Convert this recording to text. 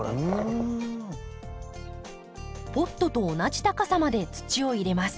ポットと同じ高さまで土を入れます。